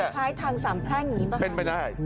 ลักษณะคล้ายทางสามแท่งนี้บ้าง